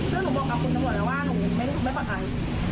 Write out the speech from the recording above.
แล้วหนูบอกกับคุณตัวหมดแล้วว่าหนูไม่รู้สึกไม่ปลอดภัย